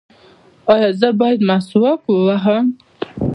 ایا زه باید مسواک ووهم؟